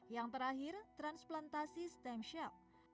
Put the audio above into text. yang terakhir transplantasi stem shell